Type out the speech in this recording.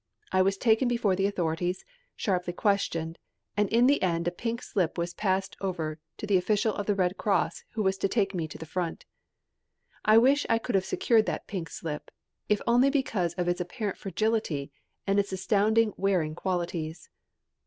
I was taken before the authorities, sharply questioned, and in the end a pink slip was passed over to the official of the Red Cross who was to take me to the front. I wish I could have secured that pink slip, if only because of its apparent fragility and its astounding wearing qualities.